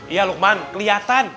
iya lukman kelihatan